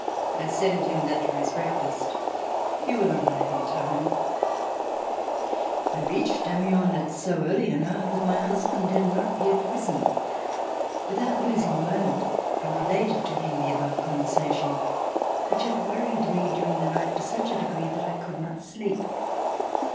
I send him that for his breakfast. You will arrive in time." I reached Amiens at so early an hour that my C386] THE RETURN OF THE KING husband had not yet risen. Without losing a moment I related to him the above conversation which had worried me during the night to such a degree that I could not sleep.